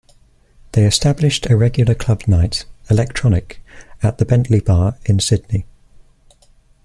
They established a regular club night, "Electronic", at the Bentley Bar in Sydney.